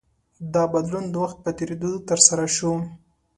دا بدلون د وخت په تېرېدو ترسره شو.